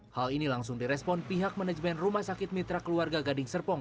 hal ini langsung direspon pihak manajemen rumah sakit mitra keluarga gading serpong